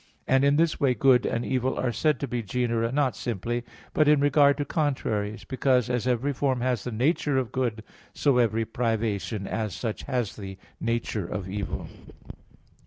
And in this way good and evil are said to be genera not simply, but in regard to contraries; because, as every form has the nature of good, so every privation, as such, has the nature of evil.